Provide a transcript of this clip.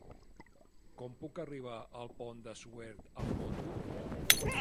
Com puc arribar al Pont de Suert amb moto?